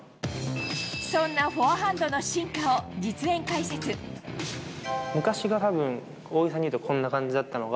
そんなフォアハンドの進化を昔がたぶん、大げさに言うとこういう感じだったのが、